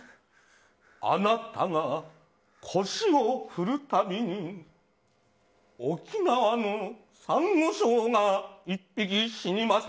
あなたが腰を振る度に沖縄のサンゴ礁が１匹死にます。